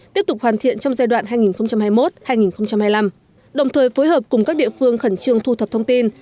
tiếp tục hoàn thiện trong giai đoạn hai nghìn hai mươi một hai nghìn hai mươi năm đồng thời phối hợp cùng các địa phương khẩn trương thu thập thông tin